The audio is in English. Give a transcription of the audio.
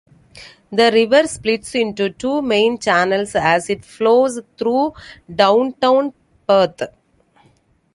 The river splits into two main channels as it flows through downtown Perth.